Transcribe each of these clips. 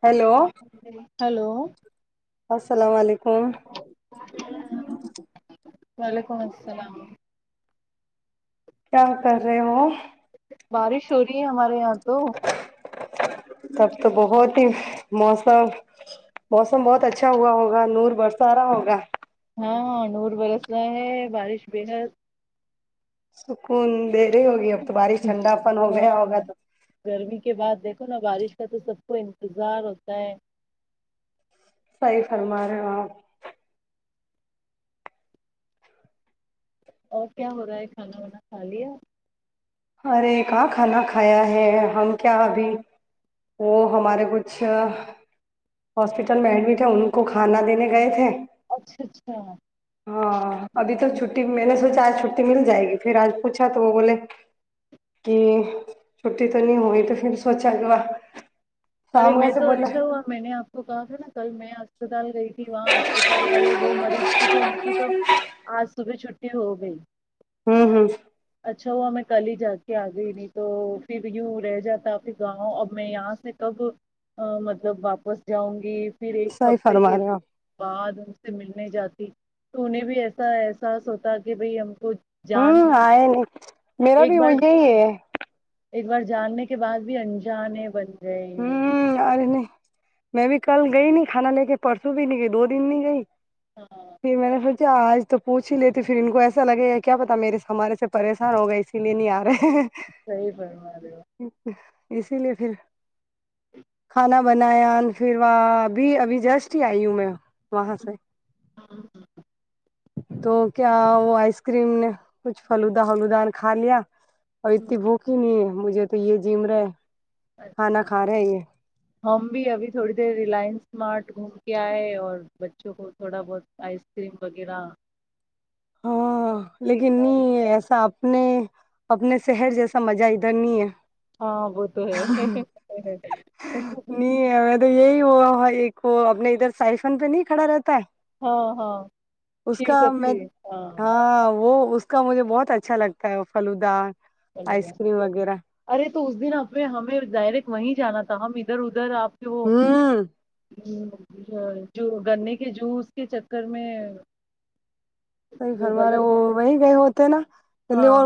Hello hello السلام علیکم کو [unintelligible] وعلیکم السلام کیا کر رہے ہو بارش ہو رہی ہے ہمارے رہے یہ تو تب تو بہت ہی موسم موسم بہت اچھا ہوا ہوگا نور برسا آ رہا ہوگا ہاں نور برس ہے بارش بے حد سک د ی ہوگی اب تو بارش ٹھنڈا پن ہو گیا ہوگا تو ن بارش کا تو سب کو انتظار ہوتا ہے صی فرما رہے ہ اور کیا ہو رہا ہے کھانا وانا کھا لیاپ ارے کہاں کھانا کھایا ہے ہم کیا ابھی وہ ہمارے کچھ ہاسپٹل میں ایڈمٹ ہے ان کو کھانا دینے گئے تھے اچھا اچھا ہاں ابھی تو چھٹی میں نے سوچا آج چھٹی مل جائے گی پھر آج پوچھا تو وہ بولے کہ چھٹی تو نہیں ہوئی تو پھر سوچا کہ و ارے میں تو اچھا ہوا میں نے آپ وہ کہا تھا نا کل میں اسپتال گئی تھی وہاں اسپتال والے وہ مریض کی تو ان کی تو آ صبح چھٹی ہو گئی ہوں ہوں اچھا ہوا میں کل ہی جا کے آ گئی نہیں تو پھر یوں رہ جاتاھر گاؤں اب میں یہاں سے کب مطلب واپس جاؤں گی پھر ایک صحیح ہفتے فرما کے رہے ہو بعد ان سے ملنے جاتے تو انہیں بھی ایسا احساس ہوتا کہ بھائی ہم کو ہوں جان آئے نہیں میرا ایک بھی وہ بار یہی ہے ایک بار جاننے کے بعد بھی انجان ہے بند جی ہ ہوں ارے نہیں میں بھی کل گئی نہیں کھانا لے کے پرسوں بھی نہیں گئی دو دن نہیں گئی پ میں نے پھر اچ آج تو پوچھ ہی لیتی پھر ان کو ایسا لگے کیا پتا میرے س ہمارے سے پریشان ہو گئے اسی لیے نہیں آ رہے ہیں صیح بمار اسی لیے پھر کھانا بنایا پھر وہاں ابھی ابھی جسٹ ہی آئی ہوں میں و ہاں سے ہو تو کیا وہ آئس کریم نے کچھ فلودا ولودا کھا لیا اورتی بوک نہیں مجھے تو یہ جم رہے کھانا اچھا رہا ہے یہ ہم بھی ابھی تھوڑی دیر ریلائنس اسارٹ گھوم کے آئے اور بچوں کو تھوڑا بہت آئس کریم وغیرہ ہاں لیکن نہیں ایسا آپ اپنے اپنے شہر جیسا مزہ ادھر نہیں ہے ہاں وہ تو ہے ت [inaudible] ہاں ہاں شیو میں شتی ہاں وہ اس اس کا مجھے بہت اچھا لگتا ہے وہ فلودا آئس کریم وغیرہ ارے تو اس دن آنے ہمیں ڈائریکٹ وہیں جانا تھا ہم ادھر ادھر آپ کے وہ ہوں جو گنے کے جوس کے چکر میں [inaudible] وہ غلط تو ہاں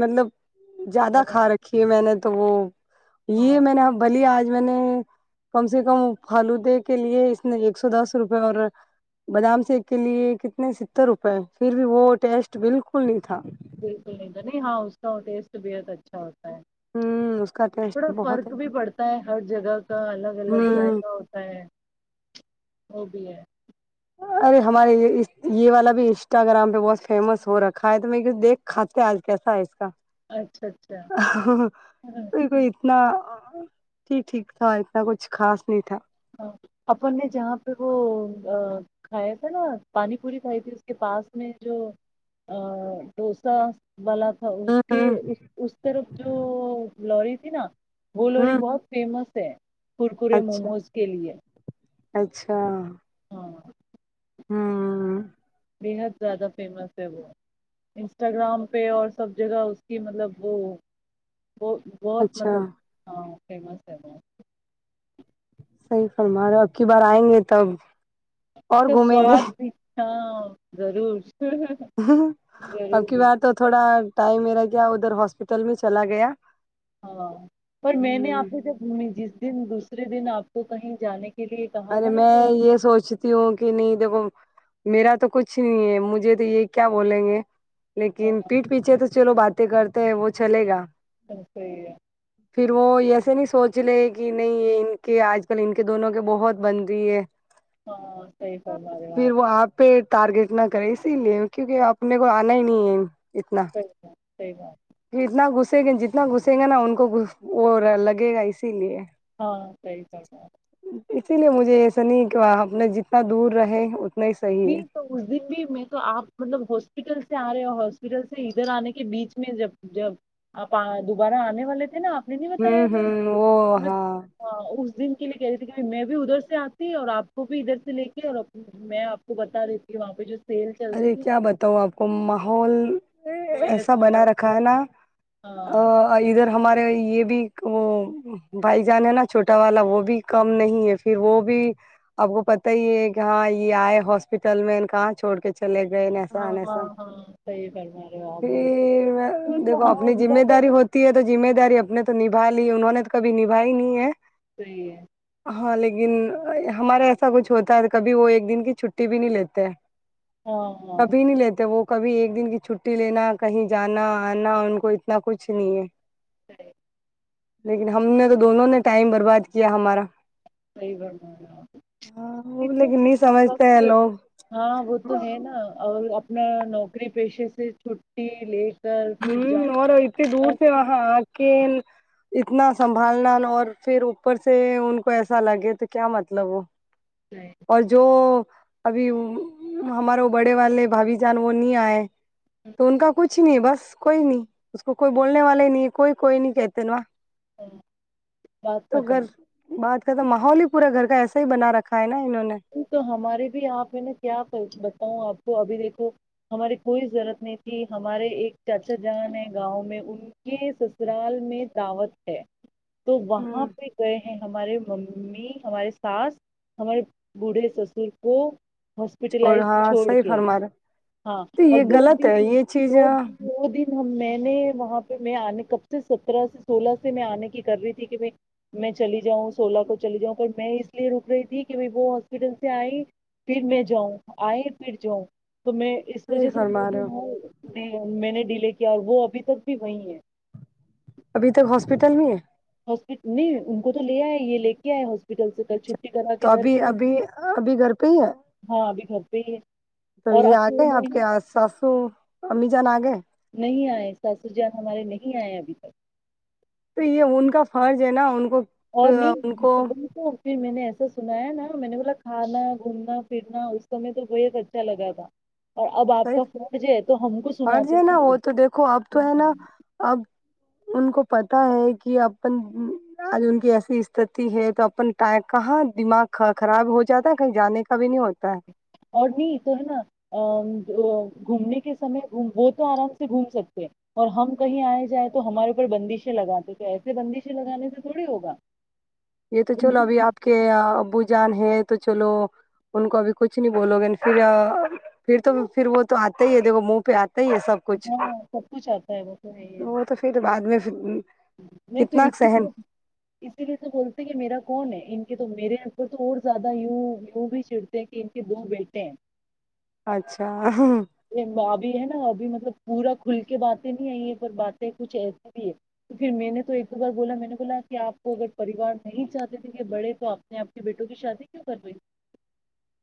مطلب زیادہ بنا کھا رکھی ہے میں نے تو وہ یہ ہاں میں نےا بلی آج میں نے کم سے کم فالوودے کے لیے اس ایک سو دس روپئے اور بادام س کے لیے کنے اتنے ستر روپئے پھر بھی وہ ٹیسٹ بالکل نہیں تھا بالکل نہیں نہیں ہاں اس کا ٹیسٹ بت اچھا ہوتا ہ اس کا تھوڑا ٹیسٹ بہت ہے فرق بھی پڑتا ہے ہر جگہ کا الگ الگ ہ ذائقہ ہوتا ہے اور بھی ہے ارے ہمارے یہ یہ والا بھی انسٹاگررام پہ بہت فیمس ہو رکھا ہے تو میں دیکھ کھاتے ہیں آج کیسا ہے اس کا اچھا اچھا توئی کوئی اتنا ٹھیک ٹھیک تھا اتنا کچھ خاص نہیں تھا اپن نے جہاں پہ وہ کھایا تھا نا پانی پوری کھائی تھی اس کے پاس میں جو ڈوسا والا تھا اس ہ کے ہ اس طرف جو لوری تھی نا بولووری ہ بہت فیمس ہے کورکرے اچھا موموز کے لیئے اچھا ہاں بےحد زیادہ فیمس ہے وہ انسٹاگرام پہ اور سب جگہ اس کی مطلب وہ بہت بہت اچھا مطلب ہاں فیمس ہے وہ صحیح فرما رہے ہو اب کی بار آئیں گے تب اس اور کا گھومیں گے سواد بھی ہاں ضرور اب کی ضرور بار تو تھوڑا ٹائم میرا کیا ادھر ہاسپٹل میں چلا گیا ہاں پر میں نے ہ آپ سے جب گھمی جس دن دوس دن آپ کو کہیں جانے کے لیے کہا ارے تھا نا میں تو یہ سوچتی ہوں کہ نہیں دیکھو میرا تو کچھ نہیں ہے مجھے تو یہ کیا بولیں گے ہاں لیکن پیٹھ پیچھے تو چلو بات کرتے ہیں وہ چلے گا چ صحی ہے پھر وہ ایسے نہیں سوچ لے کہ نہیں یہ ان کے آج کل ان کے دونوں کے بہت بن رہ ہے ہاں صحی فمارے آپ پھر وہ پہ ٹارگیٹ نہ کرے اسی لیے کیونکہ اپنے کو آنا ہی نہیں ہے اچھ صحی بات اتنا گھسیں گے جتنا گھسیں گے نا ان کو وہ لگے گا اسی لیے ہاں صحیح فرما رہے ہو۔ اسی لیے مجھے ایسا نہیں کہ اپنا جتنا دور رہے ہی صحیح ہے تو اس دن بھی میں تو آپ مطلب ہاسپٹل سے آ رہے ہو ہاسپٹل سے ادھر آنے کے بیچ میں جب جب آپ دوبارہ آنے والے تھے نا آپ میں نہیں بتایا ہوں ہوں وہ تھا ہاں اس دن کے لیے کہ رہی تھی میں بھی ادھر سے آتی اور آپ کو بھی ادھر سے لے کے اور میں آپ کو بتا رہی تھی وہاں پہ جو سیل چل رہی ارے تھی کیا بتاؤ آپ کو ماحول وہ ایسا ہیئر، بنا رکھا ہے نا [inaudible] ہاں ہمارے یہ بھی وہ بھائی جان ہے نا چھوٹا والا وہ بھی کم نہیں ہے پھر وہ بھی آپ کو پت ہی ہے کہاں یہ آئے ہاسپٹل میں کہاں چھوڑ کے چلے گئے ہاں ہاں نساسا ہاں صحیح فرما رہے ہو آپ بالکل پھر ٹھیک ہے دیکھو ہاں اپنی ان کا ذمہ تو داری ہوتی ہے تو ذمہ داری اپنے تو نبا لی انہوں نے تو کب نبھائی نہیں ہے صحی ہے ہاں لیکن ہمارا ایسا کچھ ہوتا ہے کبھی وہ ایک دن کی چھٹی بھی نہیں لیتے ہاں ہاں کبھی نہیں لیتے وہ کبھی ایک دن کی چھٹی لینا کہیں جانا آنا ان کو اتنا کچھ نہیں ہے صحیح لیکن ہم نے تو دونوں نے ٹائم برباد کیا ہمارا صی با ہاں وہ لیکن نہیں وقت سمجھتے ہیں لوگ ہاں وہ تو ہے نا اور اپنا نوکری پیشے سے چھٹی لے کر پھر ہوں جانا اور اتنی دور اور سے پھر وہاں آ کے اتنا سنبھالنا اور پھر اوپر سے ان کو ایسا لگے تو کیا مطلب وہ جائے، اور جو ابھی ہمارے بڑے والے بھابھی جان وہ نہیں آئے تو ان کا کچھ نہیں بس کوئی نہیں اس کوئی بولنے والے نہیں کوئی کوئی نہیں کہتے نا تو بستم گھر بات تو ماحول ہی پورا گھر کا ایسا ہی بنا رکھا ہے نا انہوں نے تو ہمارے بھی آپ ہیں نا کیا بتاؤں آپ کو ابھی دیکھو ہمارے کوئی ضرورت نہیں تھی ہمارے ایک چاچا جان ہے گاؤں میں ان کے سسرال میں دعوت ہے تو وہاں ہ پہ گئے ہیں ہمارے ممی امی ہماراری ساس ہمارے بڑھے سسر کو ہاسپٹلائز ہاں چھوڑ صحیح کے فرما رہے ہاں تو اور یہ دو غلط دن ہے یہ چیز دو صحیح دو دن ہم میں نے وہاں پہ میں آنے کب سے سترہ سے سولہ سے میں آنے کی کر رہی تھی کہ ب میں چلی جاؤں سولہ کو چلی جاؤں پر میں اس لیے رک رہی تھی کہ ب وہ ہاسپٹل سے آئی پھر میں جاؤں آئی پھر جاؤں تو میں اس وجہ سے دو فرما رہے ہو دن میں نے لے کے اور وہ ابھی تک بھی وہی ہے ابھی تک ہاسپٹل میں ہے ہاسپٹ نہیں ان کو تو لے آئے یہ لے کے آئے ہاسپٹل سے کل چھ تو ابھی ابھی ابھی گھر پہ ہی ہے خبھی تو یہ آ گئے آپ کے آس ساسو امی جان آ گئے ساسر جان ہمارے نہیں آئے ابھی تک تو یہ ان کا فرض ہے نا ان کا اور نہیں پھر میں نے ایسا ا سنایا نا میں نے بولا کھانا گھومنا پھرنا اس س میں تو بےت اچھا لگا تھا اور اب آپ صحیح کا فوج ہے تو ہم کو فرض سناتے ہے نا وہ ہیں تو دیکھو اب تو ہے نا اب ان کو پتا ہے کہ اپن آج ان کی ایسی استتی ہے تو اپن کہاں دماغ خراب ہو جاتا ہے کہیں جانے کا بھی نہیں ہوتا ہے اور نہیں تو ہے نا گھومنے کے سے وہ تو آرام سے گھوم سکتے اور ہم کہیں آئے جائیں تو ہمارے اوپر بندشیں لگاتے تھے ایسے بندشیں لگانے سے تھوڑی ہوگا یہ تو چلو ابھی آپ کے ابو جان ہے ہے تو چلو ان کو ابھی کچھ نہیں بولو گے پھر پھر تو پھر وہ تو آتا ہی ہے دیک منہ پہ آتا ہی ہے سب کچھ ہاں سب کچھ آتا ہے وہ تو ہے ہی ہے وہ تو پھر بعد میں نہیں تو سہن اسی لیے تو بول کہ میرا کون ہے ان کے تو میرے ار تو اور زیادہ ی ی بھی چڑتے ہیں کہ ان کے دو بیٹے ہیں اچھا آ یہ ابھی ہے نا ابھی مطلب پورا کھل کے باتیں نہیں ہےئی یہ پر باتیں کچھ ایسی بھی ہے تو پھر میں نے تو ایک بار بولا میں نے بولا کہ آپ کو اگر پریوار نہیں چاہتے تھے کہ بڑے تو آپ نے آپ کی بیٹوں کی شادی کیوں کروائی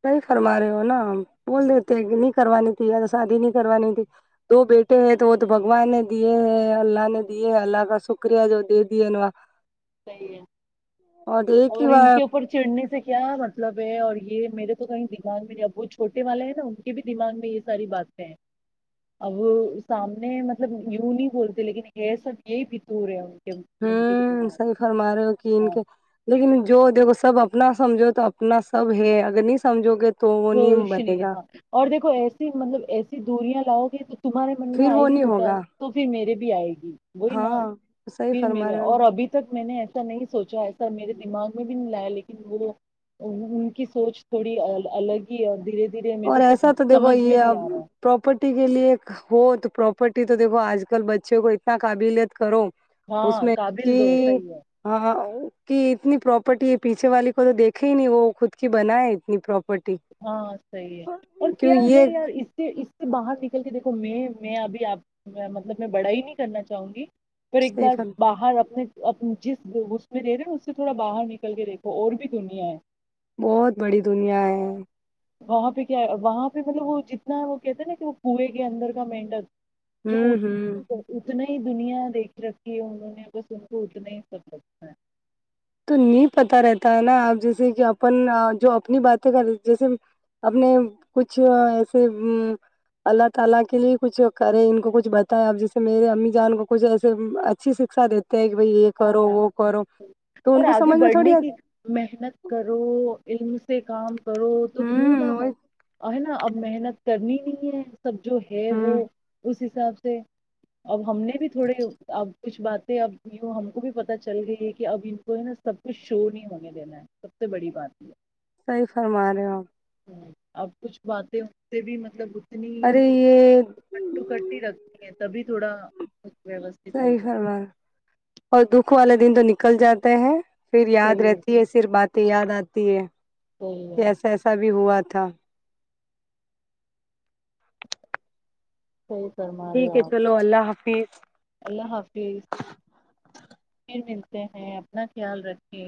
نہیں فرما رہے ہو نا ہم بول رہے ہوتے ہیں ن کروانی تھی شادی نہیں کروانی تھی دو بیٹے ہیں تو وہ تو بگوان نے دیے ہیں اللہ نے دیے اللہ کا شکریہ جو دے دیے نا صحیح ہے ایک ہی اور ان بار کے اوپر چڑھنے سے کیا مطلب ہے اور یہ میرے تو کہیں دماغ میں نہیں اب وہ چھوٹے والے ہیں نا ان کے بھی دماغ میں یہ ساری باتیں ہیں اب سامنے مطلب یوں نہیں بولتے لیکن یہ سب یہ بھیتور ہے [unintelligible] فرمار رہے ہو کہ ان ہاں کے لیکن جو دیکھو سب اپنا سمجھو تو اپنا سب ہے اگر نہیں سمجھو گے تو وہ نہیں روشنی بنے ہے گا ہاں اور دیکو ایسی مطلب ایسی دوریا لاؤ گیچ تمہارے من میں پھر آئے وہ گ نہیں ہوتا ہوگا تو پھر میرے بھی آئے گی وہی نا ہاں صحیح پھر فرما میرے رہے ہو نا اور ابھی تک میں نے ایسے نہیں سوچا ایسا میرے دماغ میں بھی نہیں لایا لیکن وہ ان کی سوچ تھوڑی الگ ہی اور دھیرے دھیے اور ایسا تو دیکھو یہ اب پراپرٹی کے لیے ہو تو پراپرٹی تو دیکھو آج کل بچے کو اتنا قابلیت کرو اس ہاں میں قابل کہ دو صحیح ہے ہاں کہ اتنی پراپرٹی ہے پیچھے والی کو تو دیکھے ہی نہیں وہ خود کی بن ہے اتنی پراپرٹی ہاں صی اور کیوں کیا ہے یہ یار اس سے اس سے باہر نکل کے دیکھو میں میں ابھی آپ مطلب میں بڑا ہی نہیں کرنا چاہوں گی پھر ایک بار صحیح باہر اپنے جس اس میں رہے رہے نا اس سے تھوڑا باہر نکل کے دیکھو اور بھی دنیا ہے بہت بڑی دنیا ہے وہاں پہ کیا ہے وہاں پہ مطلب وہ جتنا وہ کہتے ہیں نا کہ وہ کویں کے اندر کا مینڈل ہوں ہوں جونے اتنے دنیا دیکھ رکھی ہے انہوں نے بس ان کو اتنا ہی سب لگا ہے تو نہیں پتا رہتا ہے نا آپ جیسے کہ اپن جو اپنی باتیں کر جیسے اپنے کچھ ایسے اللہ تعالی کے لیے کچھ کریں ان کو کچھ بتائیں آپ جیسے میرے امی جان کو کچھ ایسے اچھی شکھا دیتے کہ بائی یہ کرو ہاں وہ کرو تو اور ان کو آگے سمجھ میں تھوڑی بڑھنے کی آتی محنت کرو ان سے کام کرو تو کیوں ہوں نہ ہو ہے نا اب محنت کرنی نہیں ہے سب جو ہے وہ ہوں اس حساب سے اب ہم نے بھی تھوڑے اب کچھ باتیں اب ہم کو بھی پتا چل گئی ہے کہ اب ان کو ہے نا سب کچھ شو نہیں ہونے دینا ہے سب سے بڑی بات یہ صحی فرما رہے ہوپ اب کچھ باتیں ہو سے بھی مطلب اتنی ارے ہی یہ کٹ ٹو کٹ ہی رکھتی ہیں تبھی تھوڑا ویوستھت صحیح ہوگا سر بار اور دکھ والا دن تو نک نکل جاتے ہیں پھر یاد رہتی ہے پر بات یاد آتی ہے صحیح کہ ہے ایسا ایسا بھی ہوا مھ [unintelligible] صحیح فرما رہے ٹھیک ہو ہے آپ چلو اللہ حافظ ج [inaudible] اللہ حافظ ہیں اپنا خیال رکھے